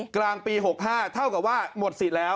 กลางปี๖๕เท่ากับว่าหมดสิทธิ์แล้ว